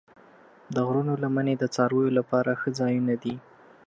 د غرونو لمنې د څارویو لپاره ښه ځایونه دي.